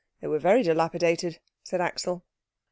"They were very dilapidated," said Axel.